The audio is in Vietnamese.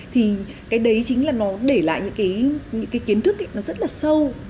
thì cái đấy chính là nó để lại những cái kiến thức nó rất là sâu